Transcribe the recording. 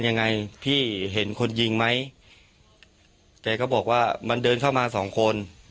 ยังไงพี่เห็นคนยิงไหมแกก็บอกว่ามันเดินเข้ามาสองคน